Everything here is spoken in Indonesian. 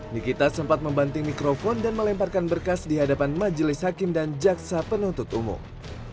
nikita sempat membanting mikrofon dan melemparkan berkas di hadapan majelis hakim dan jaksa penuntut umum